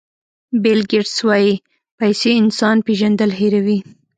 بیل ګېټس وایي پیسې انسان پېژندل هیروي.